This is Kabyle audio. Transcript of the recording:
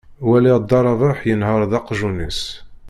Walaɣ dda Rabeḥ yenher-d aqjun-is.